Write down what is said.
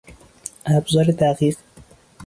ابزار دقیق